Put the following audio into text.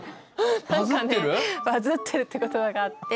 何かね「バズってる」って言葉があって。